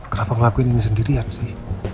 kenapa ngelakuin ini sendirian sih